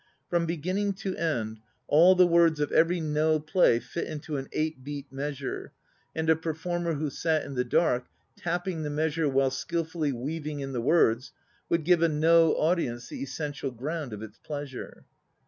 From beginning to end, all the words of every No play fit into an 8 beat measure, and a performer who sat in the dark, tapping the measure while skilfully weaving in the words, would give a No audience the essential ground of its pleasure.